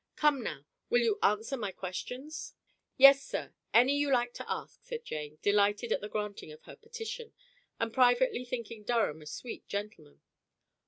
Come now, will you answer my questions?" "Yes, sir. Any you like to ask," said Jane, delighted at the granting of her petition, and privately thinking Durham a sweet gentleman.